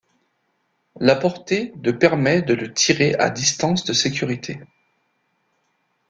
La portée de permet de le tirer à distance de sécurité.